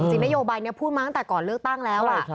จริงนโยบัยเนี่ยพูดมาตั้งแต่ก่อนเลือกตั้งแล้วอะ